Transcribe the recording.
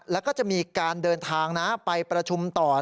แล้วก็จะมีการเดินทางไปประชุมต่อ